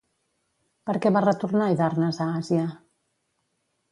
Per què va retornar Hidarnes a Àsia?